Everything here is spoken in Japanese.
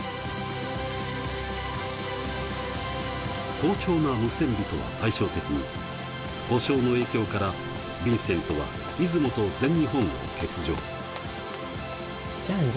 好調なムセンビとは対照的に、故障の影響からヴィンセントは出雲と全日本を欠場。